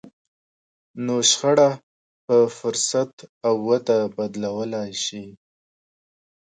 نو شخړه په فرصت او وده بدلولای شئ.